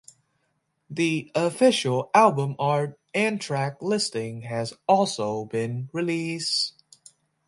The official album art and track listing has been also released.